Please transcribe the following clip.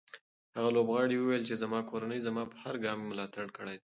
هغه لوبغاړی وویل چې زما کورنۍ زما په هر ګام کې ملاتړ کړی دی.